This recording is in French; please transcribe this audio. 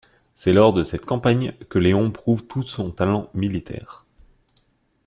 C'est lors de cette campagne que Léon prouve tout son talent militaire.